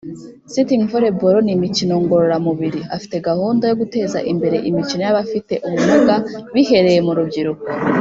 Sitting Volleyball n’imikino ngororamubiri afite gahunda yo guteza imbere imikino y’abafite ubumuga bihereye mu rubyiruko